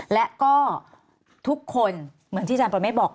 และก็ทุกคนเหมือนที่อาจารย์ประเมฆบอก